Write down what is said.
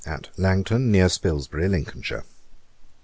AT LANGTON, NEAR SPILSBY, LINCOLNSHIRE.